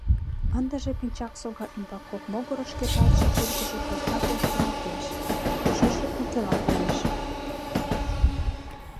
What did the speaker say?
Ындыже пинчак сога ӱмбак кок могырыш кержалтше шӱргыжӧ поснак ойыртемалтеш, шӱйжӧ укела коеш.